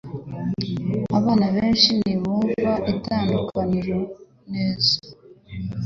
Abana benshi ntibumva itandukaniro neza